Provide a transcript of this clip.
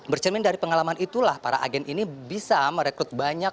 bercermin dari pengalaman itulah para agen ini bisa merekrut banyak